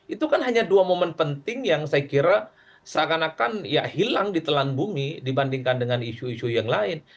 itu kan hanya dua momen penting yang saya kira seakan akan ya hilang di telan bumi dibandingkan dengan isu isu yang lain